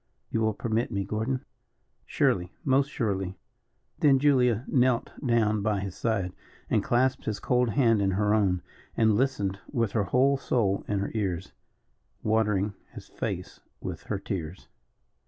You will permit me Gordon?" "Surely most surely." Then Julia knelt down by his side, and clasped his cold hand in her own, and listened with her whole soul in her ears, watering his face with her tears.